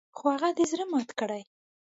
خو هغه دې زړه مات کړي .